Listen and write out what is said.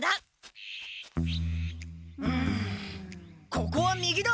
ここは右だ！